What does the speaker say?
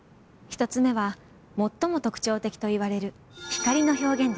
１つ目は最も特徴的といわれる。